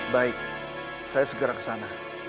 baik saya segera ke sana